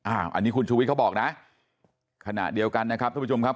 อันนี้คุณชูวิทย์เขาบอกนะขณะเดียวกันนะครับทุกผู้ชมครับ